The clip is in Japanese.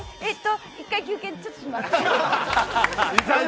一回休憩、ちょっとします。